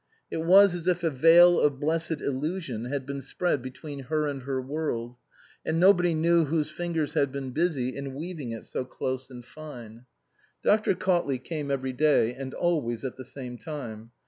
It was as if a veil of blessed illusion had been spread between her and her world ; and nobody knew whose fingers had been busy in weaving it so close and fine. Dr. Cautley came every day and always at the same time.